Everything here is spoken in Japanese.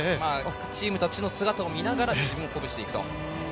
チームの姿を見ながら自分を鼓舞していくと。